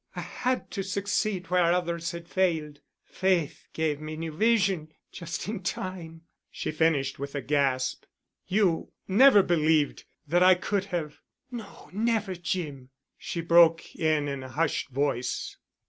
I had to succeed where others had failed. Faith gave me new vision—just in time," she finished with a gasp. "You never believed that I could have——" "No, never, Jim," she broke in in a hushed voice.